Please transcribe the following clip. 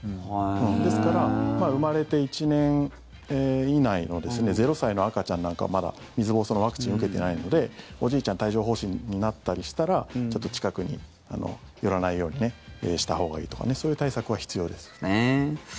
ですから、生まれて１年以内の０歳の赤ちゃんなんかはまだ水ぼうそうのワクチンを受けていないのでおじいちゃん帯状疱疹になったりしたらちょっと近くに寄らないようにしたほうがいいとかそういう対策は必要です。